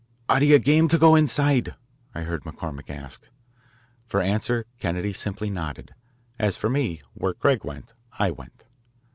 "Are you game to go inside?" I heard McCormick ask. For answer Kennedy simply nodded. As for me, where Craig went I went.